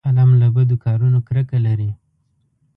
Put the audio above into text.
قلم له بدو کارونو کرکه لري